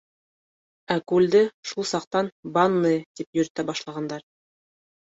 Ә күлде шул саҡтан «Банное» тип йөрөтә башлағандар.